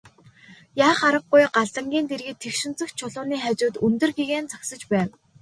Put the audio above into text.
Яах аргагүй Галдангийн дэргэд тэгш өнцөгт чулууны хажууд өндөр гэгээн зогсож байв.